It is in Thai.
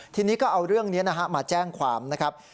ทีนี้ก็เอาเรื่องนี้นะฮะมาแจ้งความนะครับ